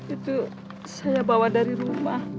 itu saya bawa dari rumah